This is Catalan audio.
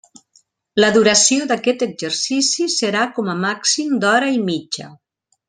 La duració d'aquest exercici serà com a màxim d'hora i mitja.